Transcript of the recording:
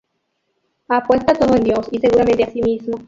Apuesta todo en Dios, y seguramente a sí mismo.